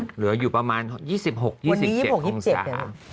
เหลืออยู่ประมาณ๒๖๒๗องศา